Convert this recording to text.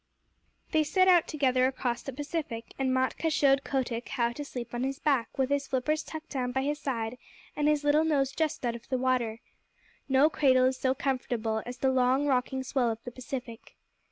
They set out together across the Pacific, and Matkah showed Kotick how to sleep on his back with his flippers tucked down by his side and his little nose just out of the water. No cradle is so comfortable as the long, rocking swell of the Pacific.